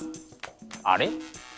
あれ？